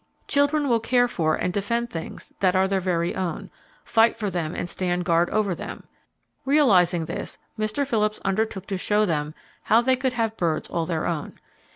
Children will care for and defend things that are their very own, fight for them and stand guard over them. Realizing this Mr. Phillips undertook to show them how they could have birds all their own.